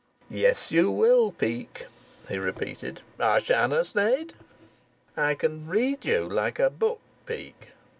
"Yes, you will, Peake," he repeated. "I shanna', Sneyd." "I can read you like a book, Peake."